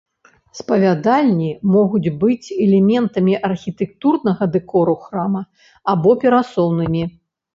Спавядальні могуць быць элементамі архітэктурнага дэкору храма або перасоўнымі.